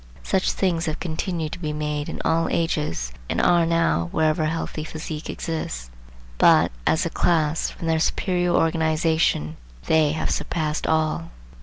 Such things have continued to be made in all ages, and are now, wherever a healthy physique exists; but, as a class, from their superior organization, they have surpassed all.